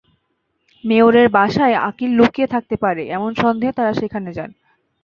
মেয়রের বাসায় আকিল লুকিয়ে থাকতে পারে, এমন সন্দেহে তাঁরা সেখানে যান।